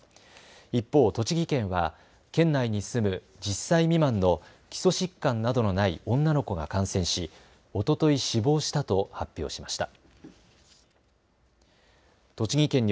一方、栃木県は県内に住む１０歳未満の基礎疾患などのない女の子が感染し、おととい死亡したと発表しました。